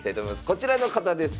こちらの方です。